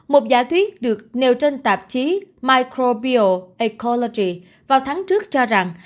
một giả thuyết được nêu trên tạp chí microbiology vào tháng trước cho rằng